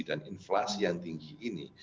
dan inflasi yang tinggi ini